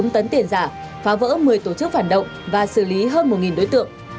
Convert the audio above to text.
bốn tấn tiền giả phá vỡ một mươi tổ chức phản động và xử lý hơn một đối tượng